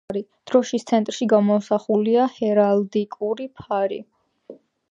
დროშის ცენტრში გამოსახულია ჰერალდიკური ფარი.